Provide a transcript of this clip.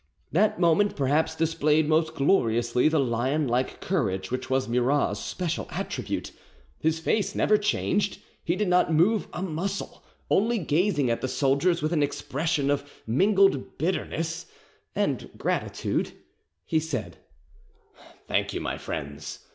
That moment perhaps displayed most gloriously the lionlike courage which was Murat's special attribute. His face never changed, he did not move a muscle; only gazing at the soldiers with an expression of mingled bitterness and gratitude, he said: "Thank you; my friends.